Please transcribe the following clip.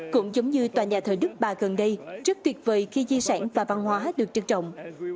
cũng giống như tòa nhà thờ đức bà gần đây rất tuyệt vời khi di sản và văn hóa được trân trọng